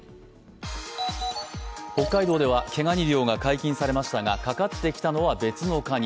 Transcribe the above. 北海道では毛がに漁が解禁されましたがかかってきたのは別のかに。